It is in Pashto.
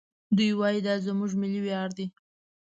دوی وايي دا زموږ ملي ویاړ دی.